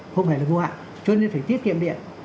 không phải là vô hạn cho nên phải tiết kiệm điện